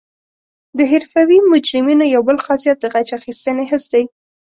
د حرفوي مجرمینو یو بل خاصیت د غچ اخیستنې حس دی